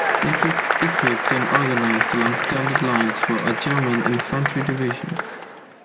It was equipped and organized along standard lines for a German infantry division.